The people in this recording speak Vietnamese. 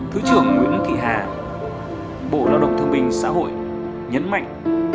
thứ trưởng nguyễn thị hà bộ lao động thương minh xã hội nhấn mạnh